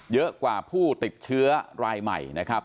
เยอะกว่าผู้ติดเชื้อรายใหม่นะครับ